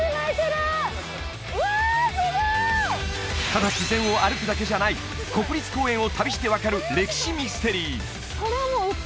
ただ自然を歩くだけじゃない国立公園を旅して分かる歴史ミステリー